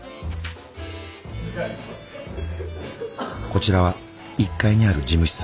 こちらは１階にある事務室。